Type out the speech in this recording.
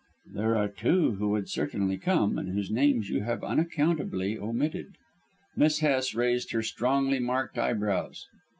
"There are two who would certainly come, and whose names you have unaccountably omitted." Miss Hest raised her strongly marked eyebrows.